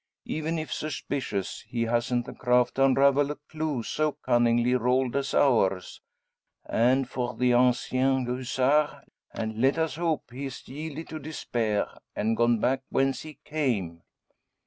Even if suspicious, he hasn't the craft to unravel a clue so cunningly rolled as ours; and for the ancien hussard, let us hope he has yielded to despair, and gone back whence he came.